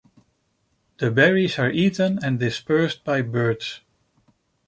The berries are eaten and dispersed by birds.